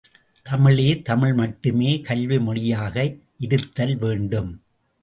தமிழே தமிழ் மட்டுமே கல்வி மொழியாக இருத்தல் வேண்டும்.